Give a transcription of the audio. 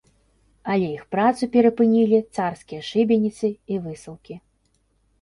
Але іх працу перапынілі царскія шыбеніцы і высылкі.